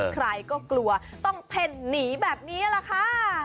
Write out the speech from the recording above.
ใครก็กลัวต้องเพ่นหนีแบบนี้แหละค่ะ